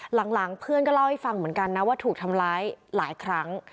หลังเพื่อนก็เล่าให้ฟังเหมือนกันนะว่าถูกทำร้ายหลายครั้ง